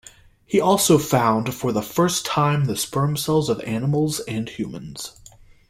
He also found for the first time the sperm cells of animals and humans.